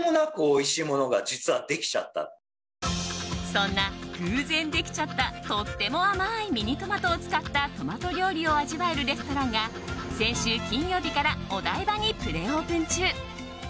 そんな、偶然できちゃったとっても甘いミニトマトを使ったトマト料理を味わえるレストランが先週金曜日からお台場にプレオープン中。